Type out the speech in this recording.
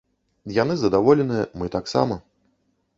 Яны задаволеныя, мы таксама.